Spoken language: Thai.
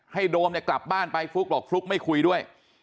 โดมเนี่ยกลับบ้านไปฟลุ๊กบอกฟลุ๊กไม่คุยด้วย